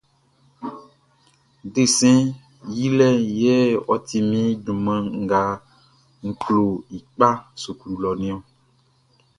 Desɛn yilɛʼn yɛ ɔ ti min junman nga n klo i kpa suklu lɔʼn niɔn.